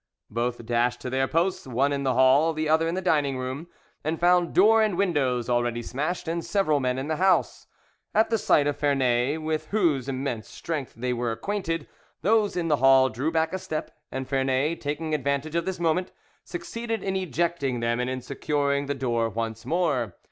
Both dashed to their posts, one in the hall, the other in the dining room, and found door and windows already smashed, and several men in the house. At the sight of Vernet, with whose immense strength they were acquainted, those in the hall drew back a step, and Vernet, taking advantage of this movement, succeeded in ejecting them and in securing the door once more.